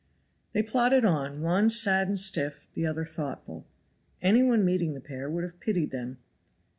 They plodded on, one sad and stiff, the other thoughtful. Any one meeting the pair would have pitied them.